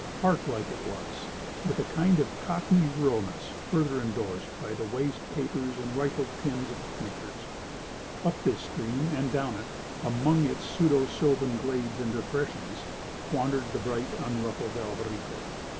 Park like it was, with a kind of cockney ruralness further endorsed by the waste papers and rifled tins of picnickers. Up this stream, and down it, among its pseudo sylvan glades and depressions, wandered the bright and unruffled Alvarita.